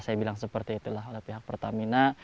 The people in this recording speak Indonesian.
saya bilang seperti itulah oleh pihak pertamina